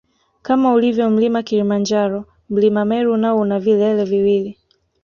Kama ulivyo mlima Kilimanjaro mlima Meru nao una vilele viwili